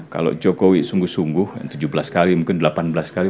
kalau jokowi sungguh sungguh tujuh belas kali mungkin delapan belas kali